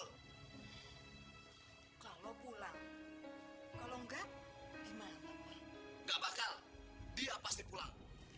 hai kalau pulang kalau enggak gimana enggak bakal dia pasti pulang